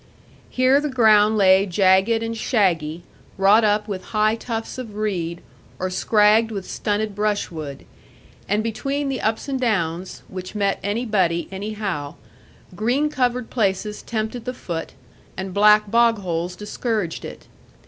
Here the ground lay jagged and shaggy, wrought up with high tufts of reed, or scragged with stunted brushwood. And between the ups and downs (which met anybody anyhow) green covered places tempted the foot, and black bog holes discouraged it.